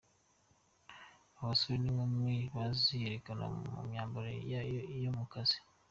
Abasore n'inkumi baziyerekana mu myambaro yo ku mazi.